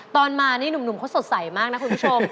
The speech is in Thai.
ตอนมานี่หนุ่มเขาสดใสมากนะคุณผู้ชม